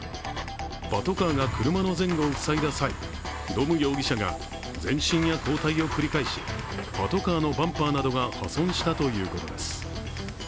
パトカーが車の前後を塞いだ際、ドム容疑者が前進や後退を繰り返しパトカーのバンパーなどが破損したということです。